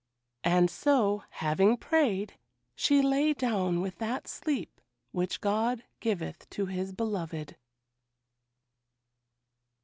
And so, having prayed, she lay down with that sleep which God giveth to His beloved.